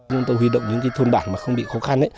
chúng tôi huy động những cái thôn bản mà không bị khó khăn